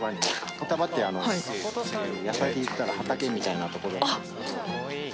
ホダ場って野菜でいったら畑みたいなとこなんですけど。